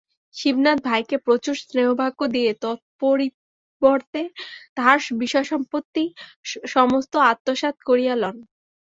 শিবনাথ ভাইকে প্রচুর স্নেহবাক্য দিয়া তৎপরিবর্তে তাঁহার বিষয়সম্পত্তি সমস্ত আত্মসাৎ করিয়া লন।